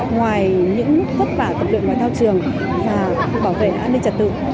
ngoài những thất vả tập luyện ngoại thao trường và bảo vệ an ninh trật tự